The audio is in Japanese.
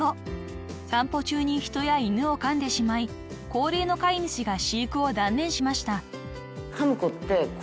［散歩中に人や犬をかんでしまい高齢の飼い主が飼育を断念しました］